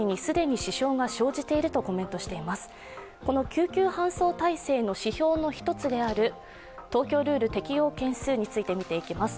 救急搬送体制の指標の一つである東京ルール適用件数について見ていきます。